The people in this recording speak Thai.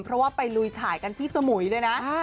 เพราะว่าไปลุยถ่ายกันที่สมุยด้วยนะ